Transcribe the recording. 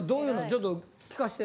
ちょっと聞かして。